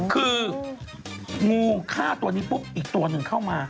คืองูฆ่าตัวนี้ปุ๊บอีกตัวหนึ่งเข้ามา